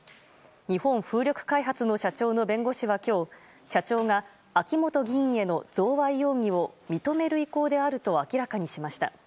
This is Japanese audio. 日本風力開発の社長は今日社長が秋本議員への贈賄容疑を認める意向であると明らかにしました。